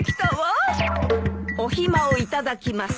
お暇を頂きます。